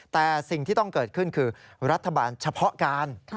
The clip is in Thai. แต่สิ่งที่ต้องเกิดขึ้นคือรัฐบาลเฉพาะการ